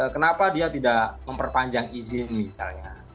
kenapa dia tidak memperpanjang izin misalnya